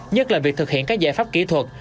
nhất là việc thực hiện các giải pháp kỹ thuật